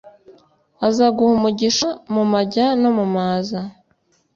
“azaguha umugisha mu majya no mu maza+